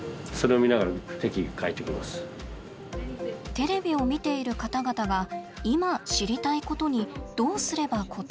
テレビを見ている方々が今知りたいことにどうすれば応えられるのか。